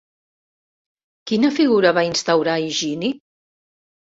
Quina figura va instaurar Higini?